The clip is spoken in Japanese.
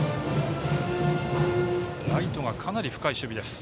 ライトがかなり深い守備です。